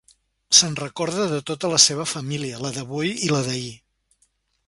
Se'n recordà de tota la seva família, la d'avui i la d'ahir.